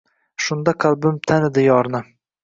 Shunda qalbim tanidi yorni.